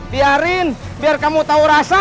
biarin biar kamu tahu rasa